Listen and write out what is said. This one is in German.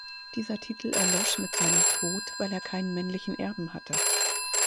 Dieser Titel erlosch mit seinem Tod, weil er keinen männlichen Erben hatte.